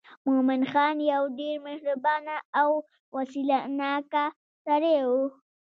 مومن خان یو ډېر مهربانه او وسیله ناکه سړی و.